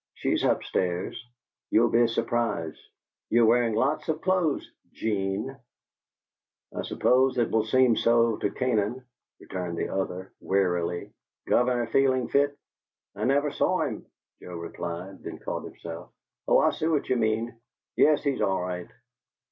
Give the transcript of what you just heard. She's up stairs. You'll be a surprise. You're wearing lots of clothes, 'Gene." "I suppose it will seem so to Canaan," returned the other, weariedly. "Governor feeling fit?" "I never saw him," Joe replied; then caught himself. "Oh, I see what you mean! Yes, he's all right."